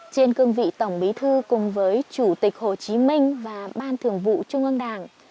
trên cương vị tổng bí thư cùng với chủ tịch hồ chí minh và ban thường vụ trung ương đảng